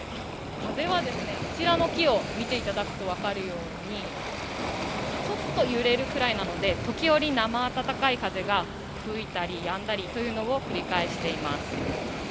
風はあちらの木を見ていただくと分かるようにちょっと揺れるくらいなので時折、生暖かい風が吹いたりやんだりというのを繰り返しています。